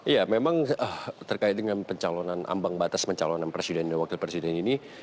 ya memang terkait dengan pencalonan ambang batas pencalonan presiden dan wakil presiden ini